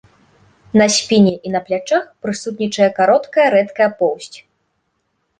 На спіне і на плячах прысутнічае кароткая рэдкая поўсць.